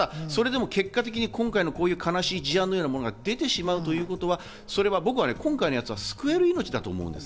結果的にこういう悲しい事案のようなものが出てしまうということは今回のやつは救える命だと思うんです。